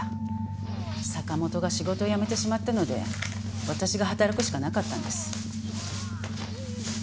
坂本が仕事を辞めてしまったので私が働くしかなかったんです。